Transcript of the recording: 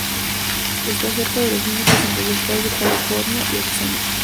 Está cerca de los límites entre los estados de California y Arizona.